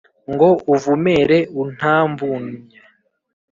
Ngo uvumere untamvunnnye